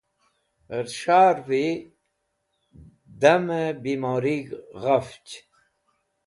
Hẽr s̃harvi damẽ bimorig̃h ghafch.